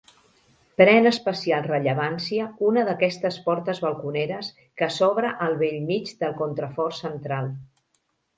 Pren especial rellevància una d'aquestes portes balconeres que s'obra al bell mig del contrafort central.